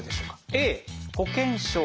Ａ保険証。